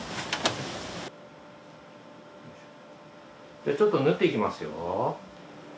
じゃあちょっと縫っていきますよ。